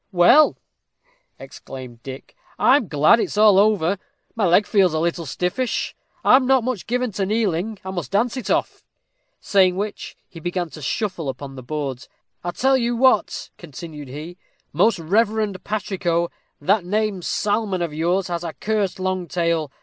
"Well," exclaimed Dick, "I'm glad it's all over. My leg feels a little stiffish. I'm not much given to kneeling. I must dance it off;" saying which, he began to shuffle upon the boards. "I tell you what," continued he, "most reverend patrico, that same 'salmon' of yours has a cursed long tail.